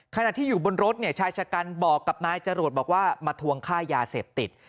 ขณะที่อยู่บนรถเนี่ยชายชะกันบอกกับนายจรวดบอกว่ามาทวงค่ายาเสพติด